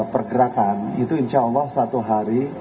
pergerakan itu insya allah satu hari